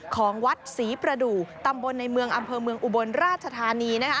ของวัดศรีประดูกตำบลในเมืองอำเภอเมืองอุบลราชธานี